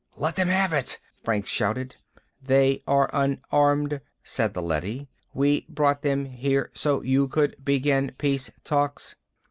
"Let them have it!" Franks shouted. "They are unarmed," said the leady. "We brought them here so you could begin peace talks."